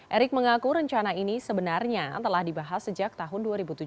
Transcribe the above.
erick mengaku rencana ini sebenarnya telah dibahas sejak tahun dua ribu tujuh belas